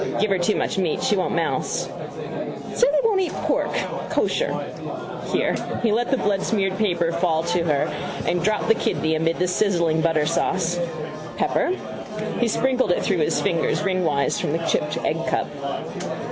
Give her too much meat she won't mouse. Say they won't eat pork. Kosher. Here. He let the bloodsmeared paper fall to her and dropped the kidney amid the sizzling butter sauce. Pepper. He sprinkled it through his fingers ringwise from the chipped eggcup.